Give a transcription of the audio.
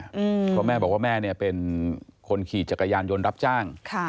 เพราะแม่บอกว่าแม่เนี่ยเป็นคนขี่จักรยานยนต์รับจ้าง